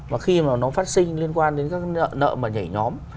và khi mà nó phát sinh liên quan đến các nợ mà nhảy nhóm